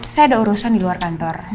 saya ada urusan di luar kantor